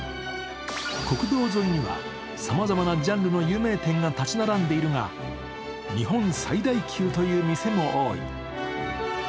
国道沿いにはさまざまなジャンルの有名店が建ち並んでいるが、日本最大級という店も多い。